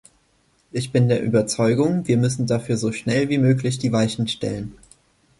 Ich bin der Überzeugung, wir müssen dafür so schnell wie möglich die Weichen stellen.